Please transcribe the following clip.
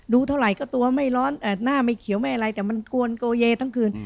เท่าไหร่ก็ตัวไม่ร้อนหน้าไม่เขียวไม่อะไรแต่มันกวนโกเยทั้งคืน